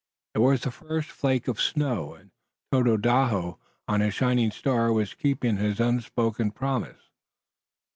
It was the first flake of snow, and Tododaho, on his shining star, was keeping his unspoken promise.